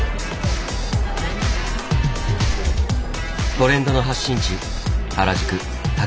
トレンドの発信地